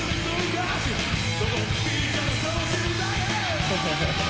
「ハハハハ！